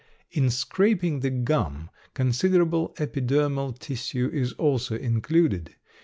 In scraping the gum considerable epidermal tissue is also included.